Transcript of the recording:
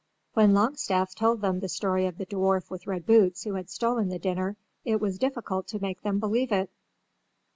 When Longstaff told them the story of the dwarf with red boots who had stolen the dinner it was difficult to make them believe it.